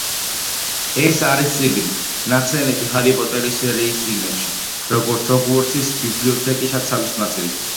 ეს არის წიგნი, ნახსენები ჰარი პოტერის სერიის წიგნებში, როგორც ჰოგვორტსის ბიბლიოთეკის საცავის ნაწილი.